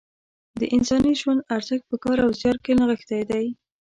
د انساني ژوند ارزښت په کار او زیار کې نغښتی دی.